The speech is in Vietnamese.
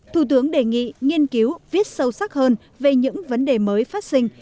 thủ tướng đề nghị nghiên cứu viết sâu sắc hơn về những vấn đề mới phát sinh